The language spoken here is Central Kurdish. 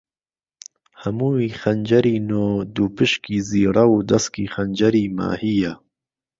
ههمووی خهنجهری نۆ دووپشکی زیڕه و دهسکی خهنجەری ماهییه